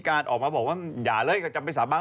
อยากบอกว่าอย่าไปสาบาน